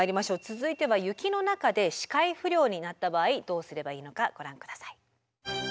続いては雪の中で視界不良になった場合どうすればいいのかご覧ください。